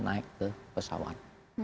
naik ke pesawat